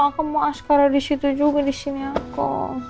aku mau askara disitu juga disini aku